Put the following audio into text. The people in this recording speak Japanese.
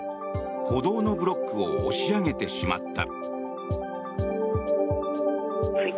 歩道のブロックを押し上げてしまった。